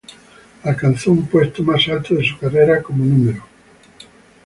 Alcanzó un puesto más alto de su carrera como No.